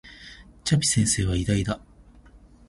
チャピ先生は偉大だ